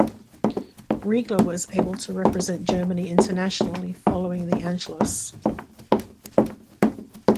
Riegler was able to represent Germany internationally following the "Anschluss".